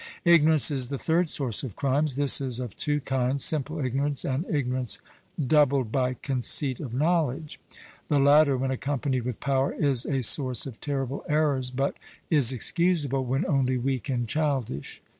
Ignorance is the third source of crimes; this is of two kinds simple ignorance and ignorance doubled by conceit of knowledge; the latter, when accompanied with power, is a source of terrible errors, but is excusable when only weak and childish.